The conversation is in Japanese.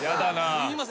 すいません。